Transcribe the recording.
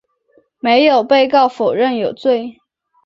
没有被告否认有罪。